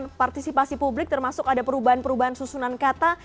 kepada kata kata yang dikatakan ada perubahan perubahan susunan kata